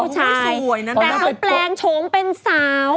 แต่เขาแปลงโฉมเป็นสาว